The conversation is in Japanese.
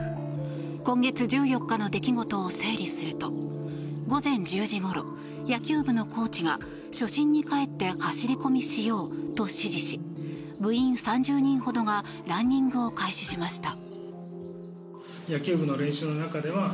今月１４日の出来事を整理すると午前１０時ごろ野球部のコーチが、初心に帰って走り込みしようと指示し部員３０人ほどがランニングを開始しました。